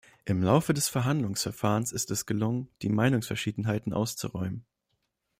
Im Laufe des Verhandlungsverfahrens ist es gelungen, die Meinungsverschiedenheiten auszuräumen.